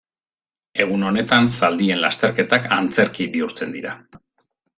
Egun honetan, zaldien lasterketak antzerki bihurtzen dira.